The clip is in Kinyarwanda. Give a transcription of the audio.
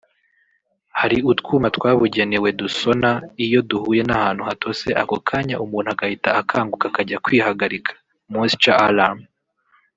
Hari utwuma twabugenewe dusona iyo duhuye n’ahantu hatose ako kanya umuntu agahita akanguka akajya kwihagarika (moisture alarm)